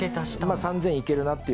３０００いけるなっていうので。